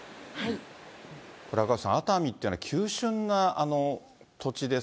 これ、赤星さん、熱海って急しゅんな土地です。